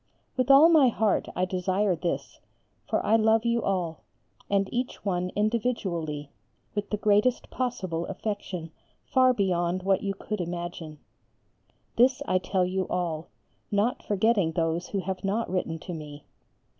With all my heart I desire this, for I love you all, and each one individually, with the greatest possible affection, far beyond what you could imagine. This I tell you all, not forgetting those who have not written to me.